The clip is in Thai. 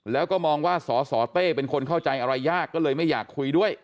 แล้วก็มองว่าสสเต้เป็นคนเข้าใจอะไรยากก็เลยไม่อยากคุยด้วย